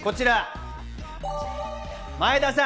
前田さん。